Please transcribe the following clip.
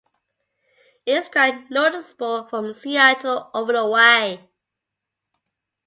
It is quite noticeable from Seattle over away.